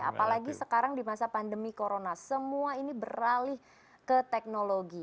apalagi sekarang di masa pandemi corona semua ini beralih ke teknologi